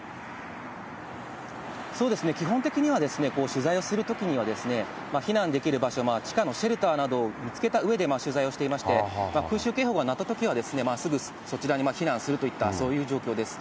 基本的には、取材をするときには、避難できる場所、地下のシェルターなどを見つけたうえで取材をしていまして、空襲警報が鳴ったときは、すぐそちらに避難するといった、そういった状況です。